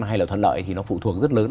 hay là thuận lợi thì nó phụ thuộc rất lớn